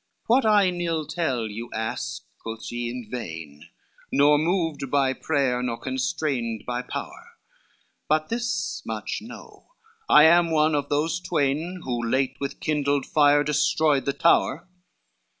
LXI "What I nill tell, you ask," quoth she, "in vain, Nor moved by prayer, nor constrained by power, But thus much know, I am one of those twain Which late with kindled fire destroyed the tower."